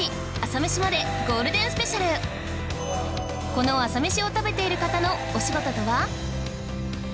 この朝メシを食べている方のお仕事とは？